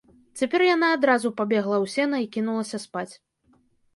Цяпер яна адразу пабегла ў сена і кінулася спаць.